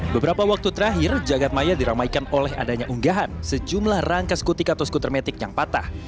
beberapa waktu terakhir jagadmaya diramaikan oleh adanya unggahan sejumlah rangka skutik atau skuter metik yang patah